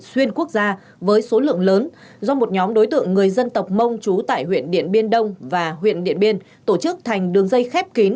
xuyên quốc gia với số lượng lớn do một nhóm đối tượng người dân tộc mông trú tại huyện điện biên đông và huyện điện biên tổ chức thành đường dây khép kín